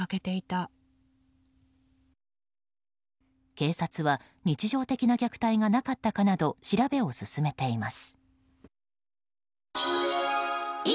警察は日常的な虐待がなかったかなど調べを進めています。